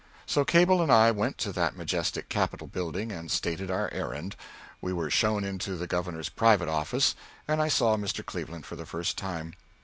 So Cable and I went to that majestic Capitol building and stated our errand. We were shown into the Governor's private office, and I saw Mr. Cleveland for the first time.